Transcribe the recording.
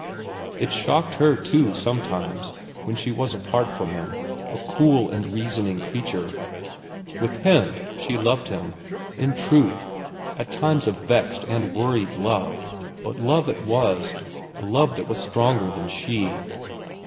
It shocked her, too, sometimes, when she was apart from him, a cool and reasoning creature. With him, she loved him—in truth, at times a vexed and worried love; but love it was, a love that was stronger than she.